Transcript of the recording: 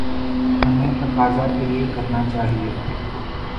ہمیں تقاضا تو یہ کرنا چاہیے۔